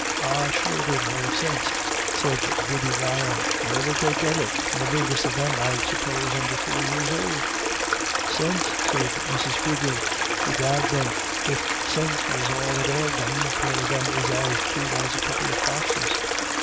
"Ah sure they've no sinse," said Biddy Ryan; " where'd they git it, and the biggest of them, I'd suppose, under four years ould ?" "Sinse?" said Mrs. Quigley. "Bedad, thin, if sinse was all that ailed them, the pair of them is as cute as a couple of foxes.